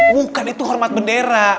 bukan itu hormat bendera